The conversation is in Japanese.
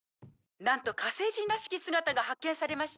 「なんと火星人らしき姿が発見されました！」